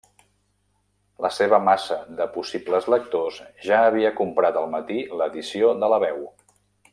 La seva massa de possibles lectors ja havia comprat al matí l'edició de La Veu.